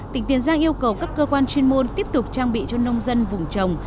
tỉnh tiền giang yêu cầu các cơ quan chuyên môn tiếp tục trang bị cho nông dân vùng trồng